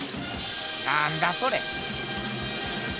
なんだそれ？